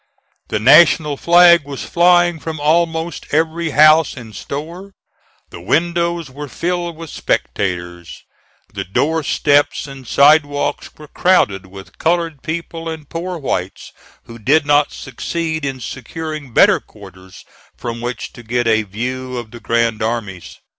The National flag was flying from almost every house and store; the windows were filled with spectators; the door steps and side walks were crowded with colored people and poor whites who did not succeed in securing better quarters from which to get a view of the grand armies.